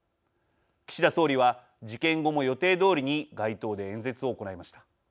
岸田総理は事件後も予定どおりに街頭で演説を行いました。